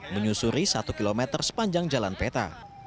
menyusuri satu km sepanjangnya